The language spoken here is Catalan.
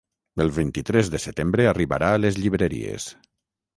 El vint-i-tres de setembre arribarà a les llibreries.